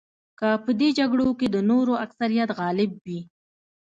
که په دې جګړو کې د نورو اکثریت غالب وي.